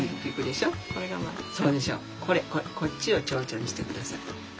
これこっちをちょうちょにしてください。